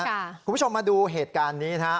คุณผู้ชมมาดูเหตุการณ์นี้นะครับ